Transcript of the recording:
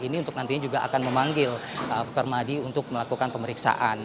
ini untuk nantinya juga akan memanggil permadi untuk melakukan pemeriksaan